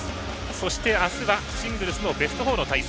そして、明日はシングルスのベスト４の対戦。